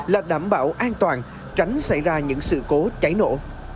là đảm bảo an toàn tránh xảy ra những sự cố cháy nổ